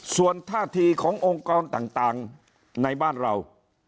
ส่วนท่าทีขององค์กรต่างในบ้านเรา